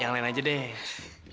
yang lain aja deh